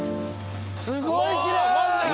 すごいきれい！